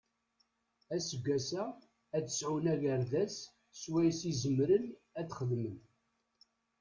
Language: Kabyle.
Aseggas-a ad sɛun agerdas swayes i zemren ad xedmen.